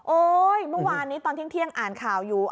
เมื่อวานนี้ตอนเที่ยงอ่านข่าวอยู่